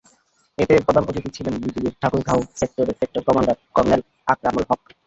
এতে প্রধান অতিথি ছিলেন বিজিবির ঠাকুরগাঁও সেক্টরের সেক্টর কমান্ডার কর্নেল আকরামুল হক।